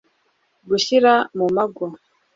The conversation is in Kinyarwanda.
gushyira mu mago